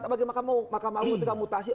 bagi mahkamah mutasi